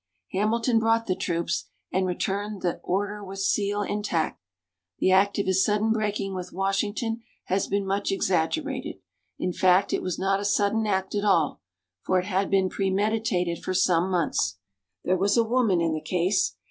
Hamilton brought the troops, and returned the order with seal intact. The act of his sudden breaking with Washington has been much exaggerated. In fact, it was not a sudden act at all, for it had been premeditated for some months. There was a woman in the case.